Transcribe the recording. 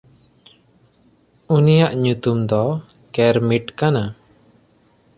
ᱩᱱᱤᱭᱟᱜ ᱧᱩᱛᱩᱢ ᱫᱚ ᱠᱮᱨᱢᱤᱴ ᱠᱟᱱᱟ᱾